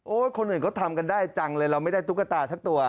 คนอื่นเขาทำกันได้จังเลยเราไม่ได้ตุ๊กตาทั้งตัว